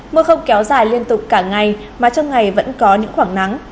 mưa không kéo dài liên tục cả ngày mà trong ngày vẫn có những khoảng nắng